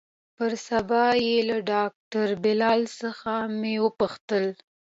پر سبا يې له ډاکتر بلال څخه مې وپوښتل.